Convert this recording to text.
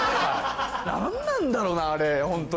何なんだろうなあれホント。